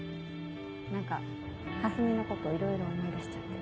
何かかすみのこといろいろ思い出しちゃって。